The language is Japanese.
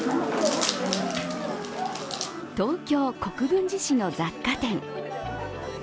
東京・国分寺市の雑貨店。